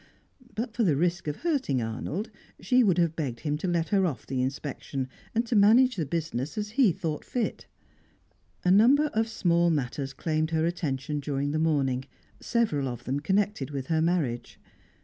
But for the risk of hurting Arnold, she would have begged him to let her off the inspection, and to manage the business as he thought fit. A number of small matters claimed her attention during the morning, several of them connected with her marriage.